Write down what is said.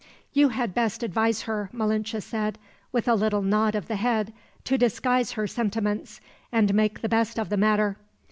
"You had best advise her," Malinche said, with a little nod of the head, "to disguise her sentiments, and make the best of the matter.